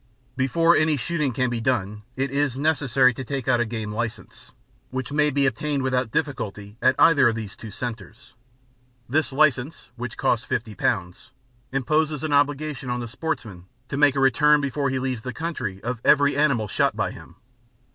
Before any shooting can be done it is necessary to take out a Game License, which may be obtained without difficulty at either of these two centres. This license (which costs 50 pounds) imposes an obligation on the sportsman to make a return before he leaves the country of every animal shot by him.